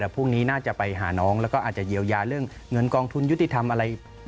พรุ่งนี้น่าจะไปหาน้องแล้วก็อาจจะเยียวยาเรื่องเงินกองทุนยุติธรรมอะไร